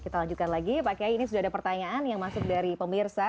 kita lanjutkan lagi pak kiai ini sudah ada pertanyaan yang masuk dari pemirsa